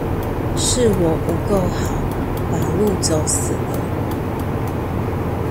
是我不夠好，把路走死了